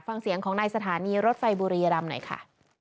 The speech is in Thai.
ฟังเสียงของนายสถานีรถไฟบุรียรำหน่อยค่ะ